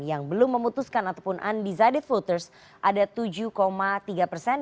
yang belum memutuskan ataupun undecided voters ada tujuh tiga persen